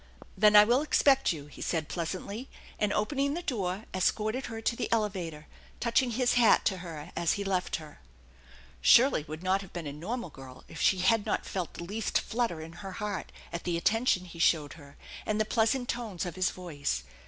" Then I will expect you," he said pleasantly, and, opening the door, escorted her to the elevator, touching his hat to her as he left her. Shirley would not have been a normal girl if she had no* 34 THE ENCHANTED BARN felt the least flutter in her heart at the attention he showed her and the pleasant tones of his voice.